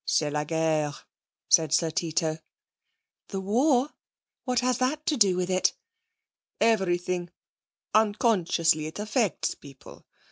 'C'est la guerre,' said Sir Tito. 'The war? What has that to do with it?' 'Everything. Unconsciously it affects people.